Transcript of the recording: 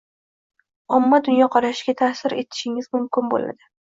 omma dunyoqarashiga ta’sir etishingiz mumkin bo‘ldi.